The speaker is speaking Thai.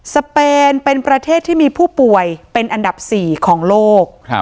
เปนเป็นประเทศที่มีผู้ป่วยเป็นอันดับ๔ของโลก